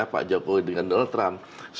pak jokowi dengan donald trump